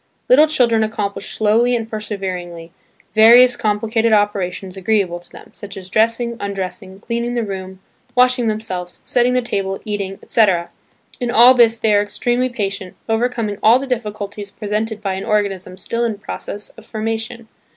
Little children accomplish slowly and perseveringly, various complicated operations agreeable to them, such as dressing, undressing, cleaning the room, washing themselves, setting the table, eating, etc. In all this they are extremely patient, overcoming all the difficulties pre sented by an organism still in process of formation.